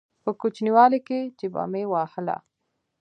په کوچنيوالي کښې چې به مې واهه.